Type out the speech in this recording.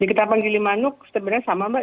di ketapang gili manuk sebenarnya sama mbak